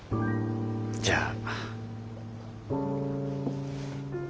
じゃあ。